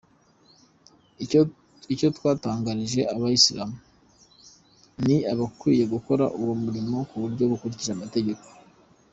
Icyo twatangarije, Abayislamu ni abakwiye gukora uwo murimo mu buryo bukurikije amategeko.